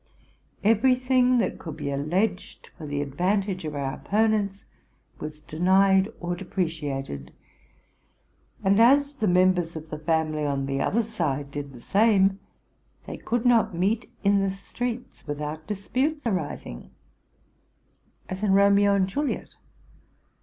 Every thing that could be alleged for the advantage of our opponents was denied or depreciated ; and, as the members of the family on the other side did the same, they could not meet in the streets without disputes arising, as in '' Romeo and Juliet."